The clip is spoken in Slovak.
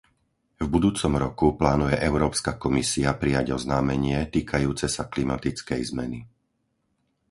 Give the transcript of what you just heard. V budúcom roku plánuje Európska komisia prijať oznámenie, týkajúce sa klimatickej zmeny.